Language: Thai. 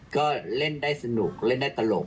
ก็เล่นได้สนุกเล่นได้ตลก